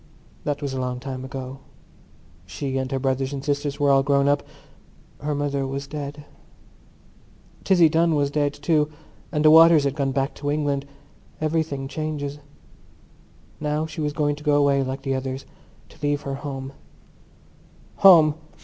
That was a long time ago; she and her brothers and sisters were all grown up; her mother was dead. Tizzie Dunn was dead, too, and the Waters had gone back to England. Everything changes. Now she was going to go away like the others, to leave her home. Home!